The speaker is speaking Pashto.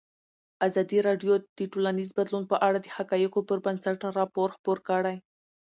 ازادي راډیو د ټولنیز بدلون په اړه د حقایقو پر بنسټ راپور خپور کړی.